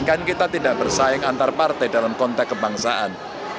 kan kita tidak bersaing antar partai dalam konteks kebangsaan